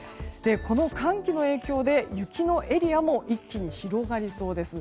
この寒気の影響で雪のエリアも一気に広がりそうです。